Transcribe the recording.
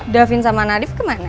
davin sama nadif kemana